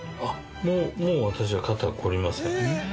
もう私は肩凝りません。